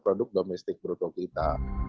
produk domestik berutuh kita